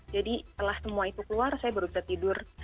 jadi setelah semua itu keluar saya baru bisa tidur